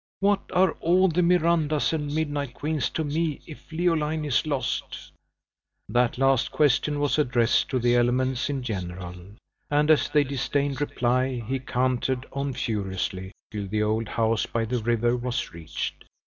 What are all the Mirandas and midnight queens to me, if Leoline is lost?" That last question was addressed to the elements in general; and as they disdained reply, he cantered on furiously, till the old house by the river was reached.